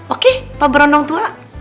oke pak berondong tua